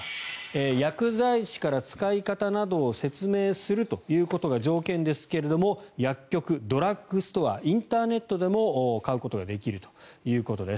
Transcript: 薬剤師から使い方などを説明するということが条件ですが薬局、ドラッグストアインターネットでも買うことができるということです。